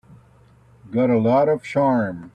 Got a lot of charm.